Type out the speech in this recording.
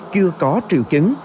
chưa có triệu chứng